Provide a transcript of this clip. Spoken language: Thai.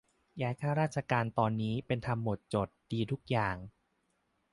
ย้ายข้าราชการตอนนี้เป็นธรรมหมดจด ดีทุกอย่าง